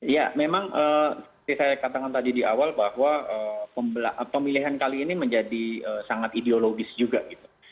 ya memang seperti saya katakan tadi di awal bahwa pemilihan kali ini menjadi sangat ideologis juga gitu